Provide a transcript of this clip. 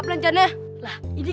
jalan aja begitu